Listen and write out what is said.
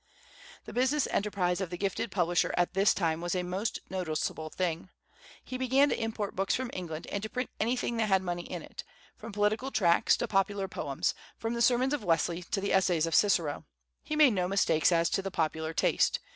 The business enterprise of the gifted publisher at this time was a most noticeable thing. He began to import books from England and to print anything that had money in it, from political tracts to popular poems, from the sermons of Wesley to the essays of Cicero. He made no mistakes as to the popular taste.